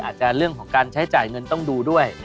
อาจจะเรื่องของการใช้จ่ายเงินต้องดูด้วย